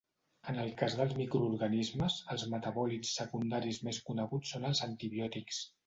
En el cas dels microorganismes, els metabòlits secundaris més coneguts són els antibiòtics.